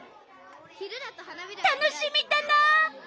楽しみだな！